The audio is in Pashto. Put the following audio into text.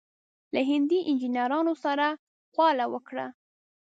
له هندي انجنیرانو سره خواله وکړه.